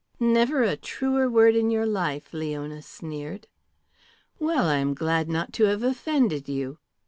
"Never a truer word in your life," Leona sneered. "Well, I am glad not to have offended you.